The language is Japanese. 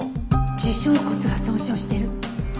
耳小骨が損傷してる。